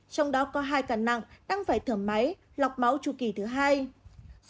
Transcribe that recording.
trong đó có hai ca nặng đang phải thở máy lọc máu chu kỳ thứ hai